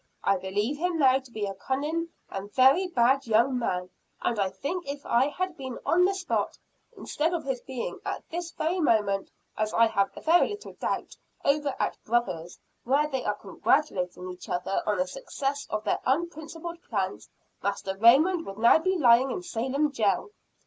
I believe him now to be a cunning and a very bad young man, and I think if I had been on the spot, instead of his being at this very moment as I have very little doubt, over at brother's, where they are congratulating each other on the success of their unprincipled plans, Master Raymond would now be lying in Salem jail."